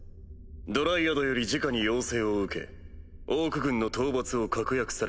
ドライアドよりじかに要請を受けオーク軍の討伐を確約されている。